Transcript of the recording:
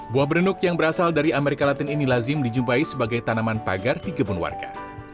buah berenuk yang berasal dari amerika latin ini lazim dijumpai sebagai tanaman pagar di kebun warga